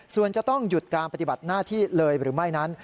ส่วนจะต้องหยุดการปฏิบัติหน้าที่เลยหรือไม่นั้น